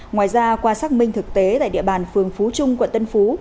ngoài ra qua xác minh thực tế tại địa bàn phường phú trung quận tân phú